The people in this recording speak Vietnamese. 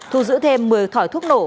thu giữ thêm một mươi thỏi thuốc nổ